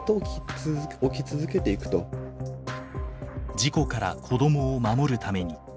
事故から子どもを守るために。